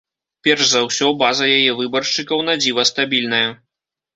Перш за ўсё, база яе выбаршчыкаў на дзіва стабільная.